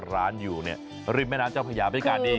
ร้านอยู่ริมแม่น้ำเจ้าพระยาบรรยากาศดี